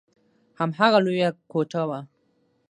هماغه لويه کوټه وه.